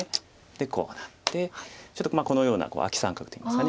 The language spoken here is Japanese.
こうなってちょっとこのようなアキ三角といいますか。